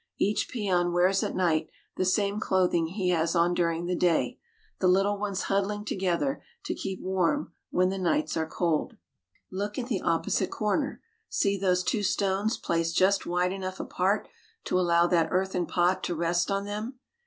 Each peon wears at night the same clothing he has on during the day, the little ones huddling together to keep warm when the nights are cold. GREAT DESERT. 57 Look at the opposite corner. See those two stones placed just wide enough apart to allow that earthen pot to rest on them.